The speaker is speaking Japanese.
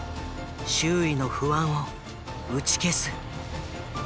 周囲の不安を打ち消す。